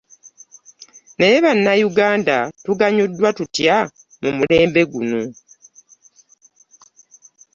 Naye bana Uganda, tuganyudwa tutya mumulembe guno?